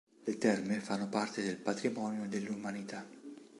Le terme fanno parte del Patrimonio dell'umanità.